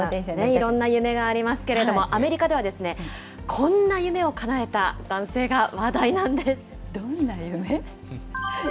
いろんな夢がありますけれども、アメリカでは、こんな夢をかなえた男性が話題なんです。